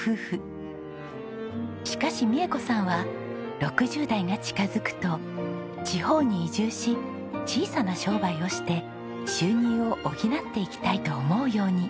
しかし美恵子さんは６０代が近づくと地方に移住し小さな商売をして収入を補っていきたいと思うように。